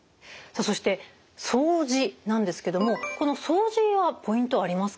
そして掃除なんですけどもこの掃除はポイントはありますか？